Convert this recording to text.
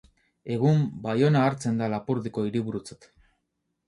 Egun, Baiona hartzen da Lapurdiko hiriburutzat.